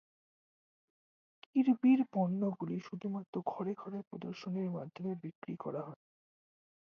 কিরবির পণ্যগুলো শুধুমাত্র ঘরে ঘরে প্রদর্শনীর মাধ্যমে বিক্রি করা হয়।